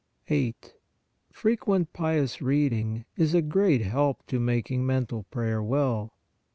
8. FREQUENT Pious READING is a great help to making mental prayer well.